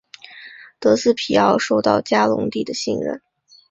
德斯皮奥受到嘉隆帝的信任。